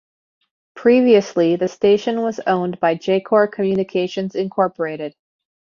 Previously, the station was owned by Jacor Communications Incorporated.